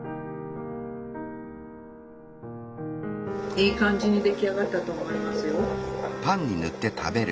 いい感じに出来上がったと思いますよ。